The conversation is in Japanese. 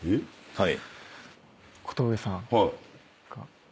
はい。